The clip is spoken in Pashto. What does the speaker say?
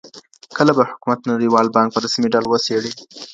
کله به حکومت نړیوال بانک په رسمي ډول وڅیړي؟